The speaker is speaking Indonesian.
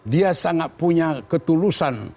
dia sangat punya ketulusan